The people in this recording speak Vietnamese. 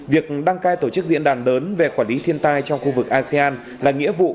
việc đăng cai tổ chức diễn đàn lớn về quản lý thiên tai trong khu vực asean là nghĩa vụ